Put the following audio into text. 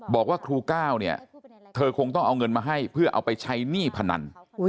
บอกว่าครูก้าวเนี่ยเธอคงต้องเอาเงินมาให้เพื่อเอาไปใช้หนี้พนัน